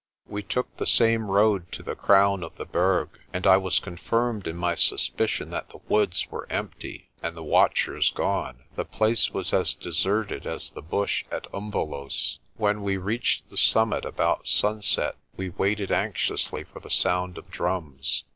We took the same road to the crown of the Berg, and I was confirmed in my suspicion that the woods were empty and the watchers gone. The place was as deserted as the bush at Umvelos'. When we reached the summit about sunset we waited anxiously for the sound of drums.